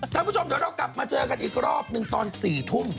ท่านผู้ชมเดี๋ยวเรากลับมาเจอกันอีกรอบหนึ่งตอน๔ทุ่ม